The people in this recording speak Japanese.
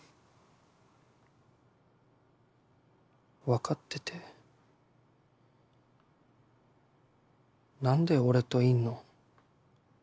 分かっててなんで俺といんの？